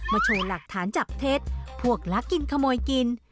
โชว์หลักฐานจับเท็จพวกลักกินขโมยกิน